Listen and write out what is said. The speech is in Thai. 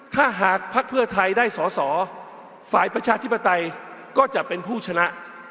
ถ้าหากภักดิ์เพื่อไทยได้สอสอฝ่ายประชาธิปไตยก็จะเป็นผู้ชนะ